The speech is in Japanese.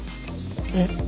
えっ？